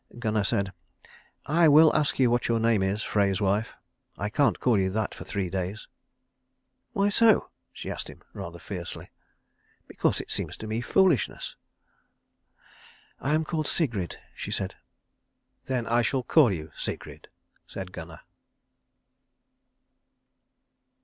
Gunnar said, "I will ask you what your name is, Frey's wife. I can't call you that for three days." "Why so?" she asked him, rather fiercely. "Because it seems to me foolishness." "I am called Sigrid," she said. "Then I shall call you Sigrid," said Gunnar.